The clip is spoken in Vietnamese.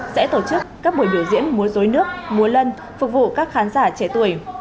sẽ tổ chức các buổi biểu diễn múa dối nước múa lân phục vụ các khán giả trẻ tuổi